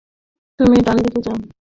তুমি ডান দিকে যাও।